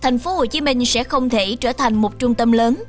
thành phố hồ chí minh sẽ không thể trở thành một trung tâm lớn